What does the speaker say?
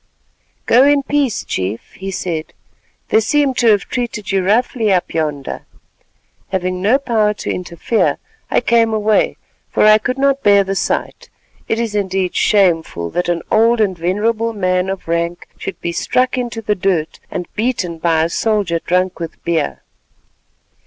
"Go in peace, Chief," he said; "they seem to have treated you roughly up yonder. Having no power to interfere, I came away for I could not bear the sight. It is indeed shameful that an old and venerable man of rank should be struck into the dirt, and beaten by a soldier drunk with beer."